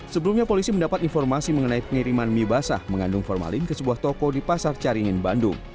sebelumnya polisi mendapat informasi mengenai pengiriman mie basah mengandung formalin ke sebuah toko di pasar caringin bandung